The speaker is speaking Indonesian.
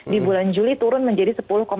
di bulan juli turun menjadi sepuluh